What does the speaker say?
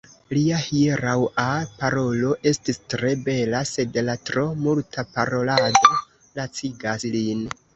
Lia hieraŭa parolo estis tre bela, sed la tro multa parolado lacigas lin.